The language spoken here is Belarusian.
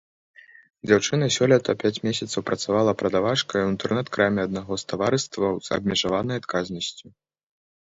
Дзяўчына сёлета пяць месяцаў працавала прадавачкай у інтэрнэт-краме аднаго з таварыстваў з абмежаванай адказнасцю.